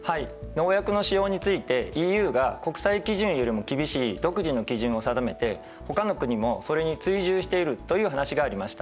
農薬の使用についてＥＵが国際基準よりも厳しい独自の基準を定めてほかの国もそれに追従しているという話がありました。